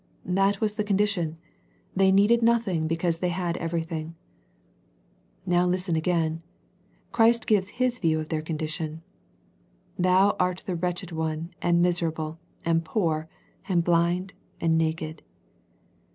That was the condition. They needed nothing because they had everything. Now Hsten again. Christ gives His view of their condition. " Thou are the wretched one and miserable and poor and blind and naked."